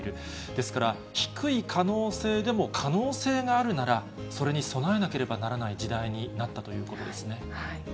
ですから、低い可能性でも可能性があるなら、それに備えなければならない時代になったということですね。